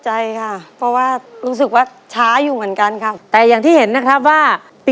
อันสุดท้ายแล้วสมาธิดีค่อยไป